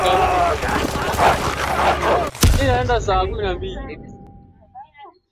wote wa bara kutoka Bahari ya Atlantiki hadi Pasifiki ikigawanywa kwa